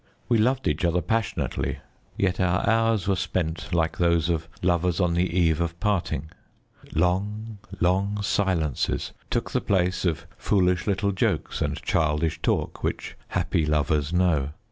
We loved each other passionately, yet our hours were spent like those of lovers on the eve of parting. Long, long silences took the place of foolish little jokes and childish talk which happy lovers know.